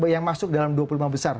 yang masuk dalam dua puluh lima besar